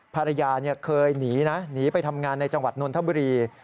ภรรยาเคยหนีนะหนีไปทำงานในจังหวัดนนทบุรี